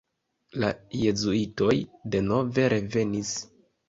La jezuitoj denove revenis.